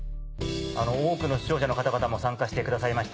多くの視聴者の方々も参加してくださいました